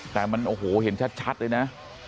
แต่มันโอ้โหเห็นชัดเลยนะ